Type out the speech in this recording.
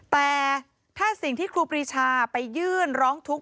แต่ถ้าสิ่งที่ครูปรีชาไปยื่นร้องทุกข์